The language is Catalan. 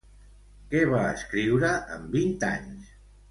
Què va escriure amb vint anys?